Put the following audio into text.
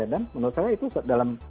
dan menurut saya itu dalam